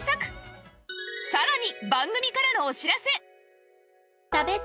さらに